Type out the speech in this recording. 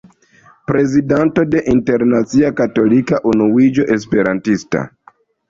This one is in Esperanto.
Prezidanto de Internacia Katolika Unuiĝo Esperantista.